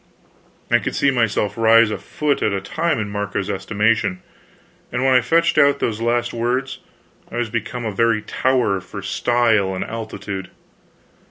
I could see myself rise a foot at a time in Marco's estimation, and when I fetched out those last words I was become a very tower for style and altitude.